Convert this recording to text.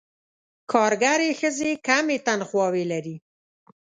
کارګرې ښځې کمې تنخواوې لري.